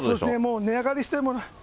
もう値上がりしても。